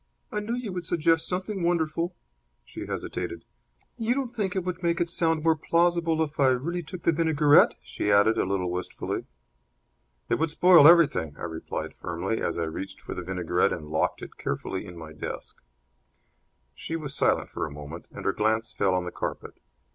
"I knew you would suggest something wonderful." She hesitated. "You don't think it would make it sound more plausible if I really took the vinaigrette?" she added, a little wistfully. "It would spoil everything," I replied, firmly, as I reached for the vinaigrette and locked it carefully in my desk. She was silent for a moment, and her glance fell on the carpet.